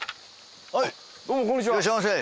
はいいらっしゃいませ！